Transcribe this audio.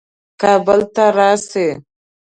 کابل ته راسي.